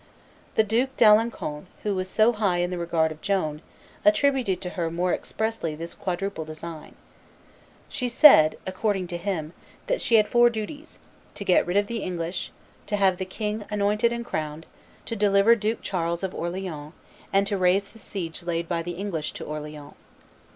The Duke d'Alencon, who was so high in the regard of Joan, attributed to her more expressly this quadruple design: "She said," according to him, "that she had four duties; to get rid of the English, to have the king anointed and crowned, to deliver Duke Charles of Orleans, and to raise the siege laid by the English to Orleans."